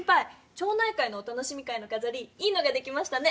町内会のお楽しみ会のかざりいいのができましたね！